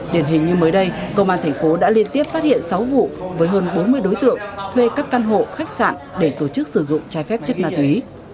điển hình như mới đây công an thành phố đã liên tiếp phát hiện sáu vụ với hơn bốn mươi đối tượng thuê các căn hộ khách sạn để tổ chức sử dụng trái phép chất ma túy